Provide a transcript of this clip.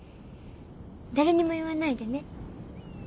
誰にも言わないでね。